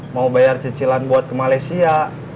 mau bayar cicilan buat ke malaysia